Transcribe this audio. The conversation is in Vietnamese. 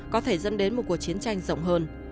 có thể dẫn đến một cuộc chiến tranh rộng hơn